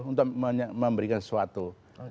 untuk memberikan sesuatu